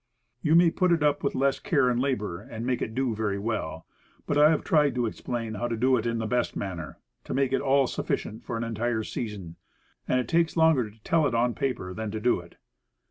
You may put it up with less care and labor, and make it do very well. But, I have tried to explain how to do it in the best manner; to make it all suf ficient for an entire season. And it takes longer to tell it on paper than to do it.